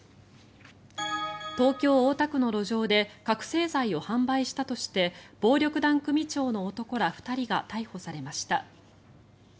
東京・大田区の路上で覚醒剤を販売したとして暴力団組長の男ら２人が逮捕されました。